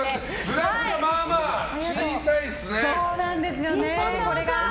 グラスがまあまあ小さいですね。